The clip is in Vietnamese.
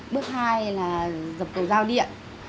bước hai là dập tổ giao điện